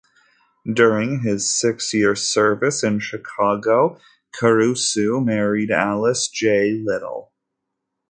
During his six-year service in Chicago, Kurusu married Alice Jay Little.